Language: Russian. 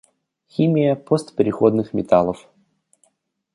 Химия постпереходных металлов.